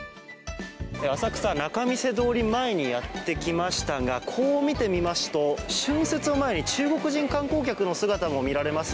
浅草・仲見世通り前にやってきましたがこう見てみますと春節を前に中国人観光客の姿も見られます。